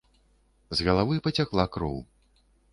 З галавы пацякла кроў.